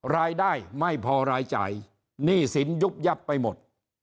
รายได้ไม่พอรายจ่ายหนี้สินยุบยับไปหมด